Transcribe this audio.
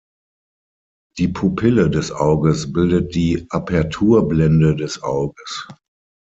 Die Pupille des Auges bildet die Aperturblende des Auges.